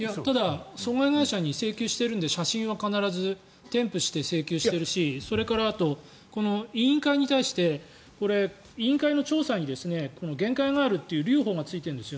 ただ損保会社に請求しているので写真は添付して請求しているし委員会に対して委員会の調査に限界があるという留保がついているんです。